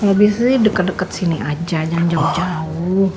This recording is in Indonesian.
kalau biasanya deket deket sini aja jangan jauh jauh